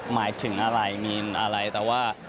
หมายถึงอะไรมีอะไรแต่ว่า